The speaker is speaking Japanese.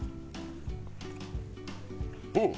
うん。